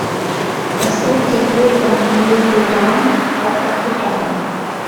Es gibt sowohl ein Turnier für Damen als auch für Herren.